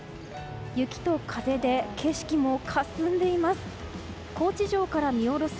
雪と風で景色もかすんでいます。